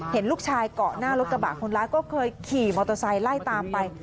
เห็นลูกชายเกาะหน้ารถกระบะคนร้ายก็เคยขี่มอเตอร์ไซค์ไล่ตามไป